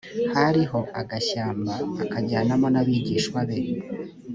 hariho agashyamba akajyanamo n abigishwa be